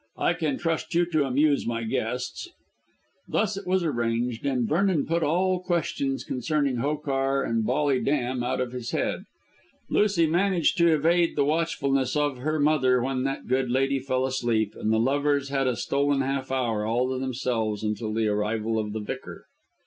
I can trust you to amuse my guests." Thus it was arranged, and Vernon put all questions concerning Hokar and Bolly Dam out of his head. Lucy managed to evade the watchfulness of her mother when that good lady fell asleep, and the lovers had a stolen half hour all to themselves until the arrival of the vicar.